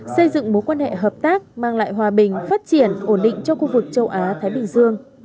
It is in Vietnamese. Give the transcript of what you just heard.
xây dựng mối quan hệ hợp tác mang lại hòa bình phát triển ổn định cho khu vực châu á thái bình dương